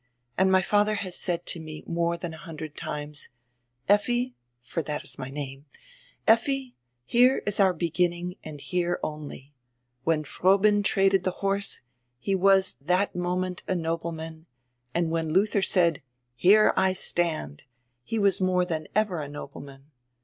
And my fadier has said to me more dian a hundred times: Lffi, — for diat is my name — Lffi, here is our beginning, and here only. When Froben traded die horse, he was diat moment a nobleman, and when Ludier said, "here I stand," he was more dian ever a nobleman.